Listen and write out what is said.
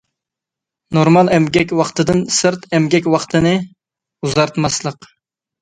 نورمال ئەمگەك ۋاقتىدىن سىرت ئەمگەك ۋاقتىنى ئۇزارتماسلىق.